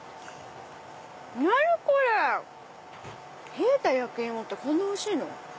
冷えた焼き芋ってこんなおいしいの？